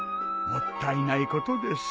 もったいないことです。